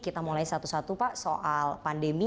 kita mulai satu satu pak soal pandemi